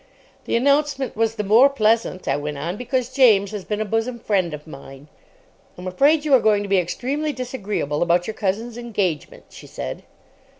"The announcement was the more pleasant," I went on, "because James has been a bosom friend of mine." "I'm afraid you are going to be extremely disagreeable about your cousin's engagement," she said.